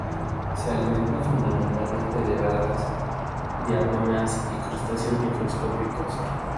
Se alimenta fundamentalmente de algas diatomeas y crustáceos microscópicos.